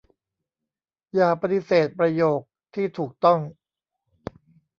อย่าปฏิเสธประโยคที่ถูกต้อง